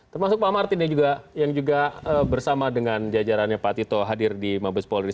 termasuk pak martin yang juga bersama dengan jajarannya pak tito hadir di mabes polri